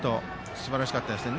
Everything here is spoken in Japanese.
すばらしかったですね。